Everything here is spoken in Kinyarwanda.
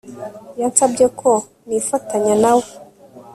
yansabye ko nifatanya na we